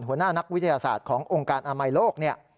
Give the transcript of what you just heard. หัวหน้านักวิทยาศาสตร์ขององค์การอนามัยโลกเนี่ย